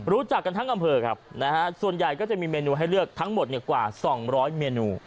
รู้จักกันทั้งอำเภอครับนะฮะส่วนใหญ่ก็จะมีเมนูให้เลือกทั้งหมดกว่า๒๐๐เมนู